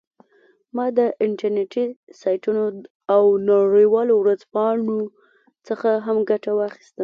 ما د انټرنیټي سایټونو او نړیوالو ورځپاڼو څخه هم ګټه واخیسته